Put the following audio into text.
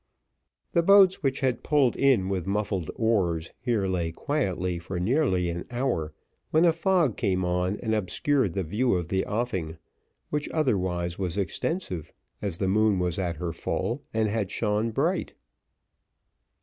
The boats, which had pulled in with muffled oars, here lay quietly for nearly an hour, when a fog came on and obscured the view of the offing, which otherwise was extensive, as the moon was at her full, and had shone bright.